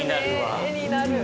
絵になるわ。